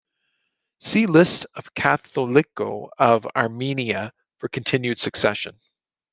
See List of Catholicoi of Armenia for continued succession.